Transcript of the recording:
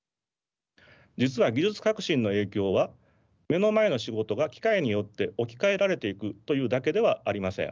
実は技術革新の影響は目の前の仕事が機械によって置き換えられていくというだけではありません。